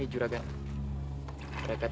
yang jepitan jepitan